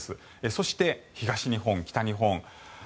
そして東日本、北日本。